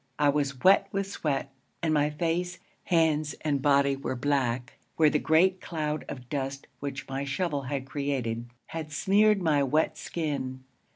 I was wet with sweat, and my face, hands, and body were black where the great cloud of dust which my shovel had created had smeared my wet skin.